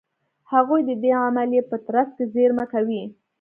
هغوی د دې عملیې په ترڅ کې زېرمه کوي.